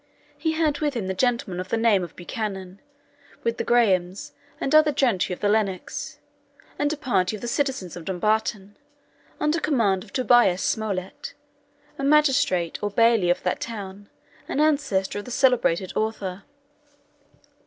He had with him the gentlemen of the name of Buchanan, with the Grahams, and other gentry of the Lennox, and a party of the citizens of Dumbarton, under command of Tobias Smollett, a magistrate, or bailie, of that town, and ancestor of the celebrated author.